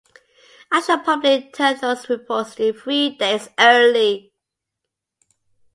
I should probably turn those reports in three days early.